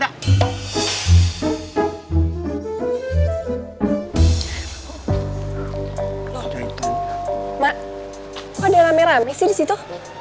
kok ada rame rame sih di situ